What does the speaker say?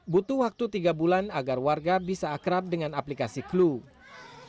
butuh waktu tiga bulan agar warga bisa akrab dengan aplikasi clue